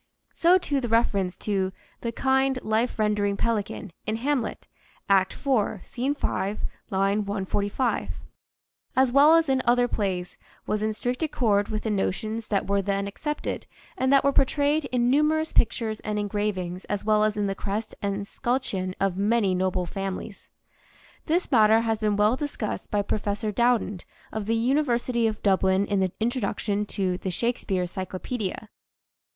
So too the reference to "the kind life rendering pelican," in " Hamlet" 1 (Act IV, Scene 5, line 145), as well as in other plays, was in strict accord with the notions that were then accepted and that were portrayed in numerous pictures and engravings as well as in the crest and scutcheon of many noble families. This matter has been well discussed by Professor Dowden of the University of Dublin in the Introduction to "The Shakespeare Cyclopedia."